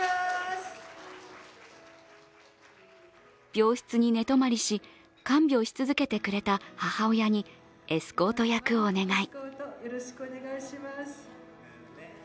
病室に寝泊まりし看病し続けてくれた母親にエスコート役をお願い。